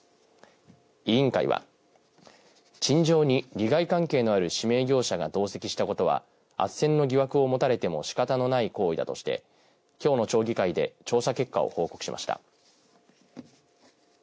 委員会は陳情に利害関係のある指名業者が同席したことはあっせんの疑惑を持たれてもしかたのない行為だとしたうえできょうの町議会で調査結果を報告しました。